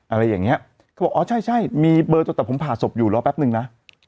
อะไรอย่างเงี้ยเขาบอกอ๋อใช่ใช่มีเบอร์โทรแต่ผมผ่าศพอยู่รอแป๊บนึงนะ